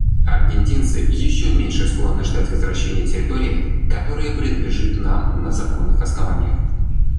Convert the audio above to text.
Аргентинцы еще меньше склонны ждать возвращения территории, которая принадлежат нам на законных основаниях.